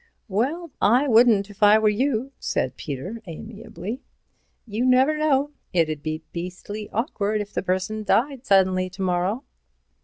"Well, I wouldn't if I were you," said Peter, amiably. "You never know. It'd be beastly awkward if the person died suddenly to morrow."